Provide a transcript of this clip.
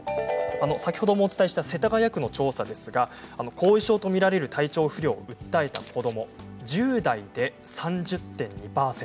先ほどもお伝えした世田谷区の調査ですが後遺症と見られる体調不良を訴えた子ども１０代では３０．２％。